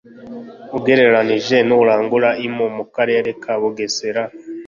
ugereranije n'urangura impu mu Karere ka Bugesera